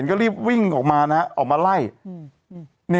สวัสดีครับคุณผู้ชม